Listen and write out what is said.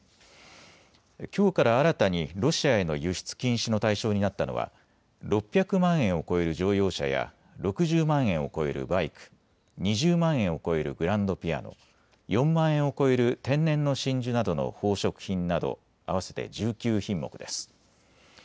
きょうから新たにロシアへの輸出禁止の対象になったのは６００万円を超える乗用車や６０万円を超えるバイク、２０万円を超えるグランドピアノ、４万円を超える天然の真珠などの宝飾品など合わせて１９品目です。